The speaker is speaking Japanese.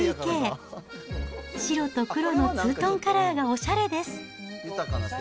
白と黒のツートンカラーがおしゃれです。